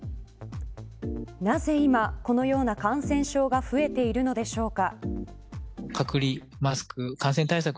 なぜ今、このような感染症が増えているのでしょうか。